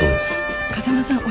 風間さん